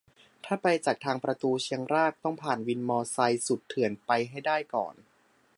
ถ้าไปจากทางประตูเชียงรากต้องผ่านวินมอไซค์สุดเถื่อนไปให้ได้ก่อน